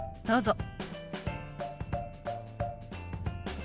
どうぞ。